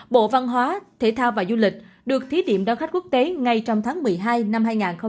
bộ văn hóa thể thao và du lịch được thí điểm đón khách quốc tế ngay trong tháng một mươi hai năm hai nghìn hai mươi ba